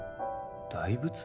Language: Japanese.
大仏？